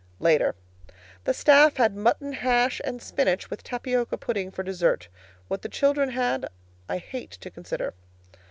LATER. The staff had mutton hash and spinach, with tapioca pudding for dessert. What the children had I hate to consider.